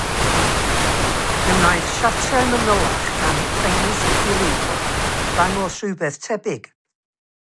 Fe wnaeth siartiau manylach gan y rheini sy'n dilyn Cook ddangos rhywbeth tebyg.